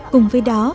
cùng với đó